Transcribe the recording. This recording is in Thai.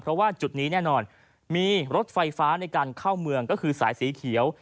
เพราะว่าจุดนี้แน่นอนมีรถไฟฟ้าในการเข้าเมืองก็คือสายสีเขียว